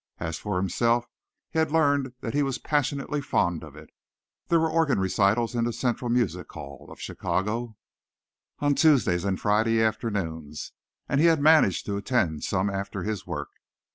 As for himself, he had learned that he was passionately fond of it. There were organ recitals in the Central Music Hall, of Chicago, on Tuesday and Friday afternoons, and he had managed to attend some after his work.